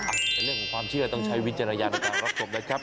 ในเรื่องของความเชื่อต้องใช้วิจารณญาณในการรับชมนะครับ